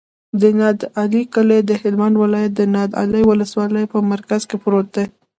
د نادعلي کلی د هلمند ولایت، نادعلي ولسوالي په مرکز کې پروت دی.